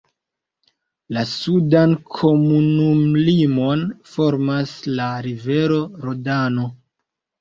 La sudan komunumlimon formas la rivero Rodano.